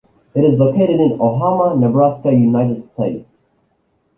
It is located in Omaha, Nebraska, United States.